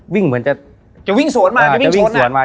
วิ่งเหมือนจะวิ่งสวนมา